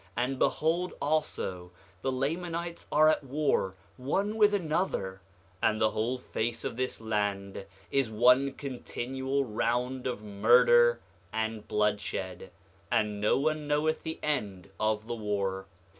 And behold also, the Lamanites are at war one with another; and the whole face of this land is one continual round of murder and bloodshed; and no one knoweth the end of the war.